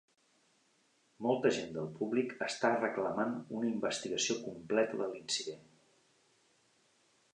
Molta gent del públic està reclamant una investigació completa de l'incident.